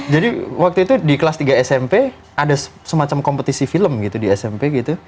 jadi waktu itu di kelas tiga smp ada semacam kompetisi film gitu di smp gitu